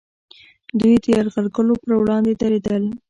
دوی د یرغلګرو پر وړاندې دریدل